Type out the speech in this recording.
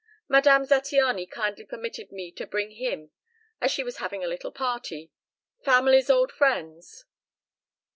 Madame Zattiany kindly permitted me to bring him as she was having a little party. Families old friends."